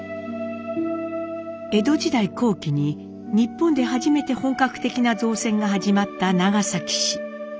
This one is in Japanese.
江戸時代後期に日本で初めて本格的な造船が始まった長崎市。